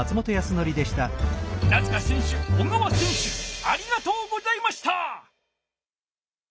稲塚選手小川選手ありがとうございました！